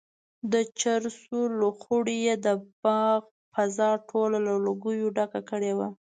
د چرسو لوخړو یې د باغ فضا ټوله له لوګیو ډکه کړې وه.